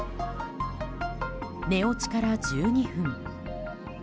寝落ちから１２分。